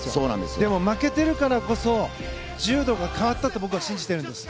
でも負けてるからこそ柔道が変わったと信じているんです。